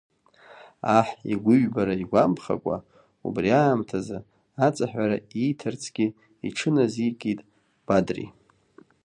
Аҳ игәыҩбара игәамԥхакәа, убри аамҭаз аҵаҳәара ииҭарцгьы иҽыназикит Бадри.